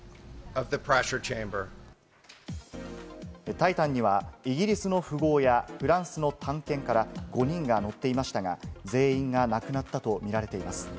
タイタンにはイギリスの富豪やフランスの探検家ら５人が乗っていましたが、全員が亡くなったと見られています。